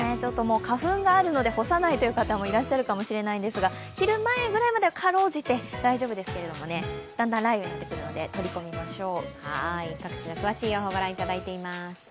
花粉があるので干さないという方もいらっしゃるかもしれないんですが、昼前ぐらいまではかろうじて大丈夫だと思いますがだんだん雷雨になってくるので、取り込みましょう。